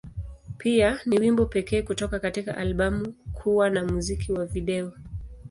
Pia, ni wimbo pekee kutoka katika albamu kuwa na muziki wa video.